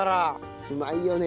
うまいよね。